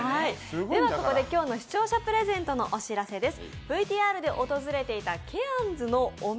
ではここで今日の視聴者プレゼントのお知らせです。